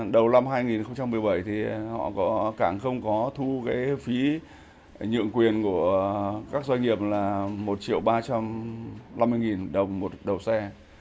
đầu năm hai nghìn một mươi bảy thì cảng không có thu phí nhượng quyền của các doanh nghiệp là một triệu ba trăm năm mươi nghìn đồng một đầu xe